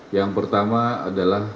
yang pertama adalah